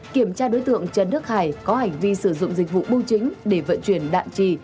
kiểm tra đối tượng trần đức hải có hành vi sử dụng dịch vụ bưu chính để vận chuyển đạn trì